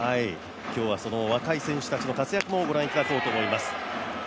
今日は若い選手たちの活躍もご覧いただこうと思います。